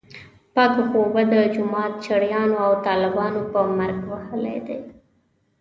پک غوبه د جومات چړیانو او طالبانو په مرګ وهلی دی.